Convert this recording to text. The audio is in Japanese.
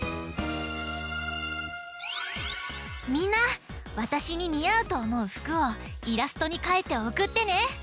みんなわたしににあうとおもうふくをイラストにかいておくってね。